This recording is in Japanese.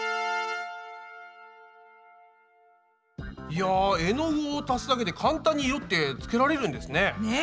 いや絵の具を足すだけで簡単に色ってつけられるんですね。ね。